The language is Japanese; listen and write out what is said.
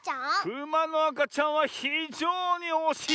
クマのあかちゃんはひじょうにおしいですね！